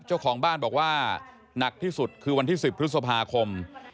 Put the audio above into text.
เจ้าของบ้านบอกว่าหนักที่สุดคือวันที่๑๐พฤษภาคม